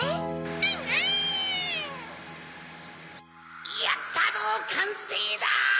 ・アンアン・・やったぞかんせいだ！